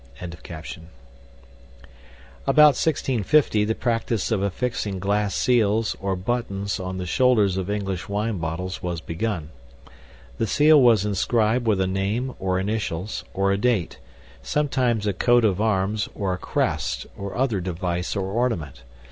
] About 1650 the practice of affixing glass seals or buttons on the shoulders of English wine bottles was begun. The seal was inscribed with a name, or initials, or a date; sometimes a coat of arms or a crest, or other device or ornament.